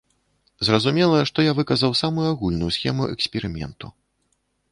Зразумела, што я выказаў самую агульную схему эксперыменту.